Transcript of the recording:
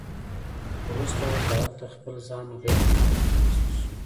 خو وروستو ورته هلته خپل ځان غيرمحفوظ محسوس شو